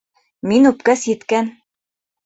Мин үпкәс еткән!